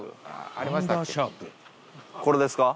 これですか？